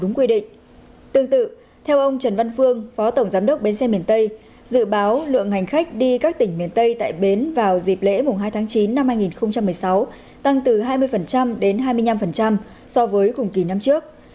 giá lượng ngành khách đi các tỉnh miền tây tại bến vào dịp lễ mùa hai tháng chín năm hai nghìn một mươi sáu tăng từ hai mươi đến hai mươi năm so với cùng kỳ năm trước